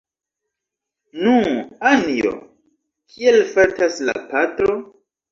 Nu, Anjo, kiel fartas la patro?